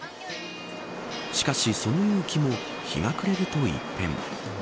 しかし、その陽気も日が暮れると一変。